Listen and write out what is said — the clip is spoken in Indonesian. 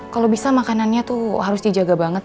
kalau bisa makanannya tuh harus dijaga banget